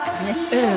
ええ。